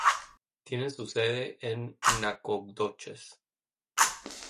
Tiene su sede en Nacogdoches.